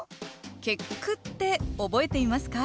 結句って覚えていますか？